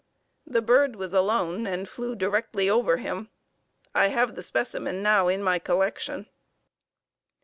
The bird was alone and flew directly over him. I have the specimen now in my collection.